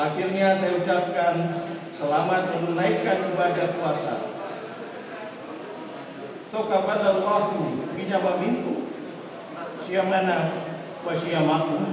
akhirnya saya ucapkan selamat menaikkan ibadah kuasa